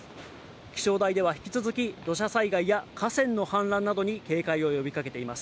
気象台では引き続き、土砂災害や河川の氾濫などに警戒を呼びかけています。